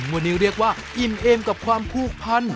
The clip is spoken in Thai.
วันนี้เรียกว่าอิ่มเอมกับความผูกพัน